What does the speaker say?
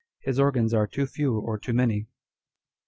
His organs are too few or too many.